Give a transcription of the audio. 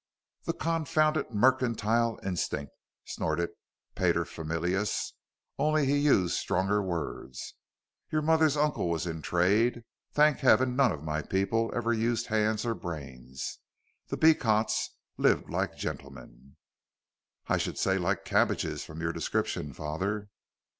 "The confounded mercantile instinct," snorted paterfamilias, only he used stronger words. "Your mother's uncle was in trade. Thank Heaven none of my people ever used hands or brains. The Beecots lived like gentlemen." "I should say like cabbages from your description, father."